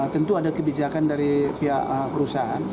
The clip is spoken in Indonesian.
tentu ada kebijakan dari pihak perusahaan